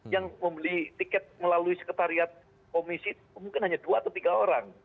yang membeli tiket melalui sekretariat komisi mungkin hanya dua atau tiga orang